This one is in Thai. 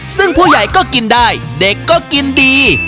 ซึ่งผู้ใหญ่ก็กินได้เด็กก็กินดี